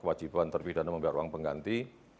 kewajiban terpih dan membeli uang pengganti